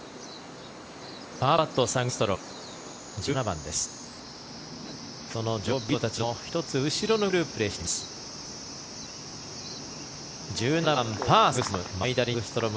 パーパット、サグストロム。